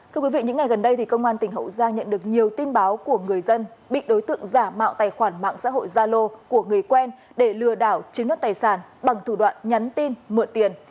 thưa quý vị những ngày gần đây công an tỉnh hậu giang nhận được nhiều tin báo của người dân bị đối tượng giả mạo tài khoản mạng xã hội gia lô của người quen để lừa đảo chiếm đất tài sản bằng thủ đoạn nhắn tin mượn tiền